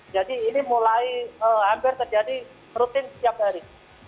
jadi ini mulai hampir terjadi rutin setiap hari